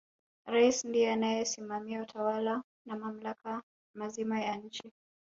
rais ndiye anasimamia utawala na mamlaka mazima ya nchi